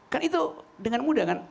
kan itu dengan mudah kan